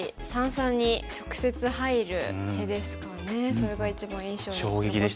それが一番印象に残ってます。